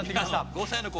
５歳の子